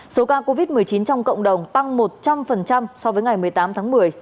số ca covid một mươi chín trong cộng đồng tăng một trăm linh so với ngày một mươi tám tháng một mươi